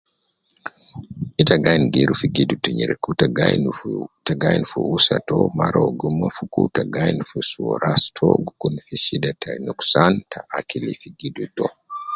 Ita gi ayin geeru fi gildu te nyereku, te gi ayin fu, te gi ayin fi usa to mara uwo gi mofuku ta gi ayin fi suu ras to gi kun fi shida ta nuksan ta akil fi gildu to